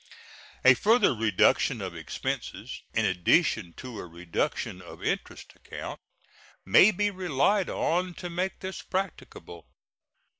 A further reduction of expenses, in addition to a reduction of interest account, may be relied on to make this practicable.